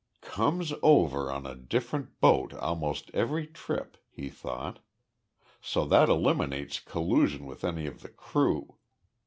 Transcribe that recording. "Comes over on a different boat almost every trip," he thought, "so that eliminates collusion with any of the crew.